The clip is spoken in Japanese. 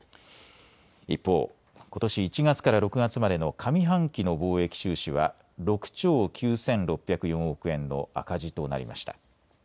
一方、ことし１月から６月までの上半期の貿易収支は６兆９６０４億円の赤字となりました。